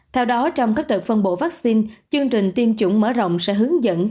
theo đó trong các đợt phân bổ vaccine chương trình tiêm chủng mở rộng sẽ hướng dẫn